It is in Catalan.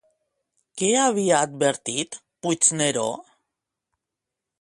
Què havia advertit, Puigneró?